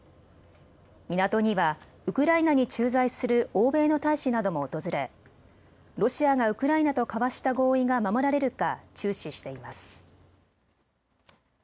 港にはウクライナに駐在する欧米の大使なども訪れロシアがウクライナと交わした合意が守られるか注視しています。